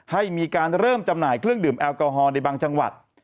ให้มีการเริ่มจำหน่ายเครื่องดื่มแอลกอฮอล์ในบางจังหวัด